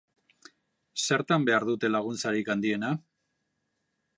Zertan behar dute laguntzarik handiena?